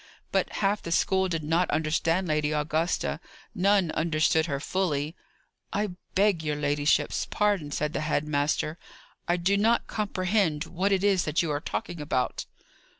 But, half the school did not understand Lady Augusta. None understood her fully. "I beg your ladyship's pardon," said the head master. "I do not comprehend what it is that you are talking about."